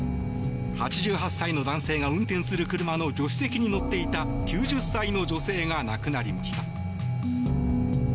８８歳の男性が運転する車の助手席に乗っていた９０歳の女性が亡くなりました。